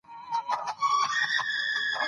ښتې د افغانستان د جغرافیې بېلګه ده.